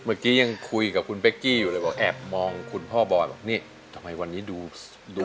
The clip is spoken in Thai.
เมื่อกี้ยังคุยกับคุณเป๊กกี้อยู่เลยบอกแอบมองคุณพ่อบอยบอกนี่ทำไมวันนี้ดู